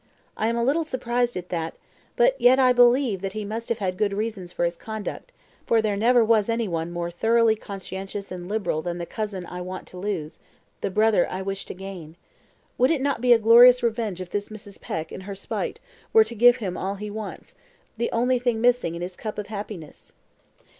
I am a little surprised at that; but yet I believe that he must have had good reasons for his conduct, for there never was any one more thoroughly conscientious and liberal than the cousin I want to lose the brother I wish to gain. Would it not be a glorious revenge if this Mrs. Peck, in her spite, were to give him all he wants the only thing missing in his cup of happiness?"